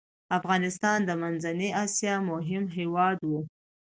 افغانستان د منځنی اسیا مهم هیواد و.